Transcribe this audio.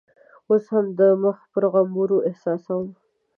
اوس هم د مخ پر غومبرو احساسوم.